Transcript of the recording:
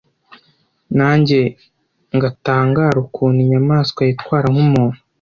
Nange ngatangare ukuntu inyamaswa yitwara nk’umuntu